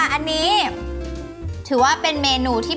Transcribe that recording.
อันนี้ถือว่าเป็นเมนูที่